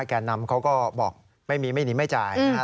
แก่นำเขาก็บอกไม่มีไม่หนีไม่จ่าย